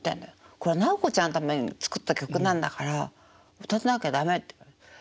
これはナオコちゃんのために作った曲なんだから歌わなきゃ駄目って言われて。